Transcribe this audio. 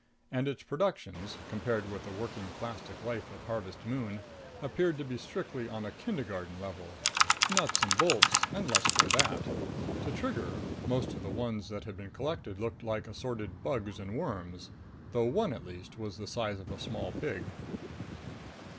And its productions, compared with the working plastic life of Harvest Moon, appeared to be strictly on a kindergarten level: nuts and bolts and less than that. To Trigger, most of the ones that had been collected looked like assorted bugs and worms, though one at least was the size of a small pig.